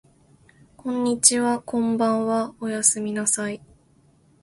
こんにちはこんばんはおやすみなさい